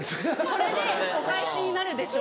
それでお返しになるでしょ？